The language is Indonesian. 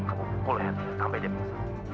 aku bukul lehernya sampai dia bisa